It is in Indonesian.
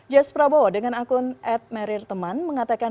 jay suprabowo dengan akun ad merir teman mengatakan